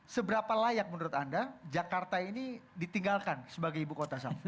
seberapa layak menurut anda jakarta ini ditinggalkan sebagai ibu kota